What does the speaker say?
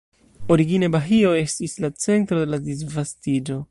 Origine Bahio estis la centro de la disvastiĝo.